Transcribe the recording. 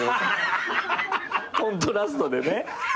コントラストでね。